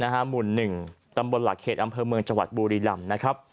หมู่๑ตำบลหลักเขตอำเภอเมืองจังหวัดบุรีลำนะครับ